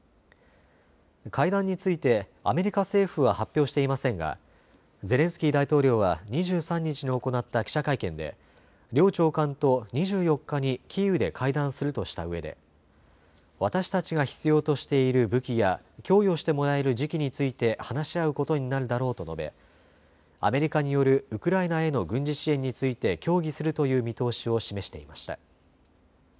会談についてアメリカ政府は発表していませんがゼレンスキー大統領は２３日に行った記者会見で両長官と２４日にキーウで会談するとしたうえで、私たちが必要としている武器や供与してもらえる時期について話し合うことになるだろうと述べ、アメリカによるウクライナへの軍事支援について協議するという見通しを示していました。